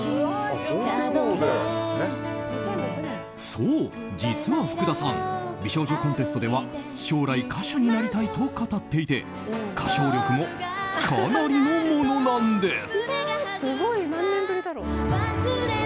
そう、実は福田さん美少女コンテストでは将来、歌手になりたいと語っていて歌唱力も、かなりのものなんです。